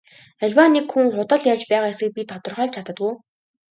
Аливаа нэг хүн худал ярьж байгаа эсэхийг би тодорхойлж чаддаг уу?